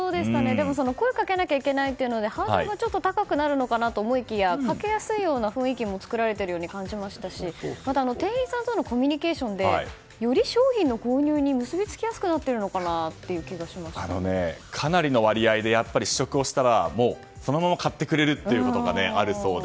でも、声をかけなきゃいけないというのでハードルがちょっと高くなるのかなと思いきやかけやすいような雰囲気も作られているように感じましたしまた、店員さんとのコミュニケーションでより商品の購入に結びつきやすくかなりの割合で試食をしたらそのまま買ってくれることがあるそうで。